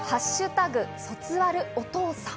「＃卒アルお父さん」。